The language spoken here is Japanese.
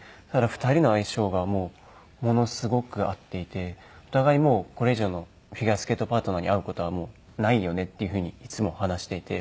２人の相性がものすごく合っていてお互いもうこれ以上のフィギュアスケートパートナーに会う事はないよねっていうふうにいつも話していて。